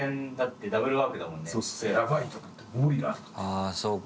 ああそうか。